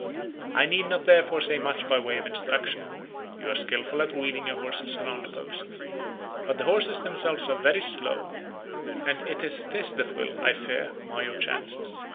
I need not therefore say much by way of instruction. You are skilful at wheeling your horses round the post, but the horses themselves are very slow, and it is this that will, I fear, mar your chances.